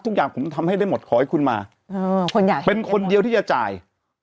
ทุกอย่างผมทำให้ได้หมดขอให้คุณมาเป็นคนเดียวที่จะจ่าย